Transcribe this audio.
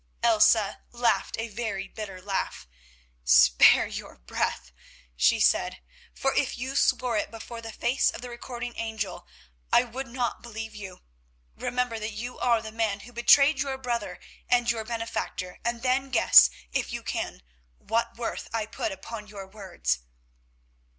Elsa laughed a very bitter laugh. "Spare your breath," she said, "for if you swore it before the face of the recording Angel I would not believe you. Remember that you are the man who betrayed your brother and your benefactor, and then guess, if you can, what worth I put upon your words."